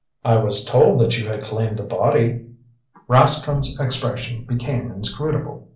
"I was told that you had claimed the body." Rascomb's expression became inscrutable.